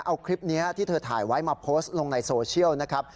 เอาคลิปนี้ที่เธอถ่ายไว้มาโพสต์ลงในโซเชียลนะครับ